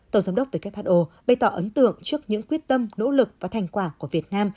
tổng thống đốc who bày tỏ ấn tượng trước những quyết tâm nỗ lực và thành quả của việt nam